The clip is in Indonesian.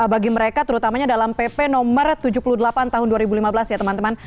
bagi mereka terutamanya dalam pp no tujuh puluh delapan tahun dua ribu lima belas ya teman teman